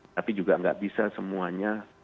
tapi juga nggak bisa semuanya